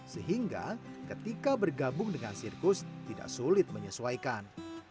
sehingga ketika bergabung dengan sirkus tidak sulit menyesuaikan